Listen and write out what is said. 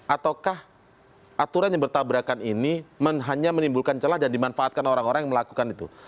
ataukah aturan yang bertabrakan ini hanya menimbulkan celah dan dimanfaatkan orang orang yang melakukan itu